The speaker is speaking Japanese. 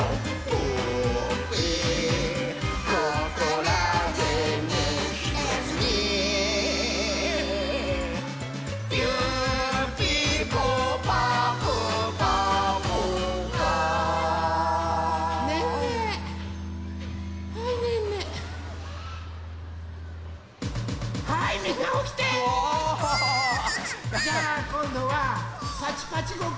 じゃあこんどはパチパチごっこするよ。